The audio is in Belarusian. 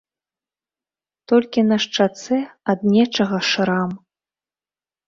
Толькі на шчацэ ад нечага шрам.